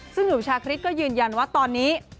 ซึ่งหนุ่มชาคริสก็ยืนยันว่าตอนนี้